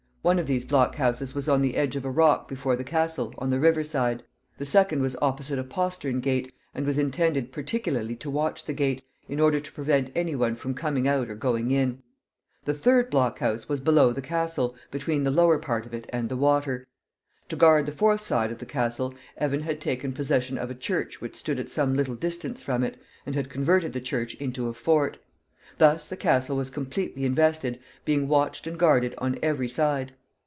One of these block houses was on the edge of a rock before the castle, on the river side. The second was opposite a postern gate, and was intended particularly to watch the gate, in order to prevent any one from coming out or going in. The third block house was below the castle, between the lower part of it and the water. To guard the fourth side of the castle, Evan had taken possession of a church which stood at some little distance from it, and had converted the church into a fort. Thus the castle was completely invested, being watched and guarded on every side.